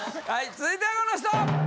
続いてはこの人！